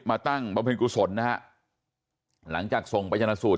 มาตั้งบำพินกุศลนะฮะหลังจากส่งไปจรรย์สูตร